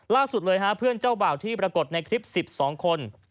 ล่าสุดเลยฮะเพื่อนเจ้าบ่าวที่ปรากฏในคลิป๑๒คน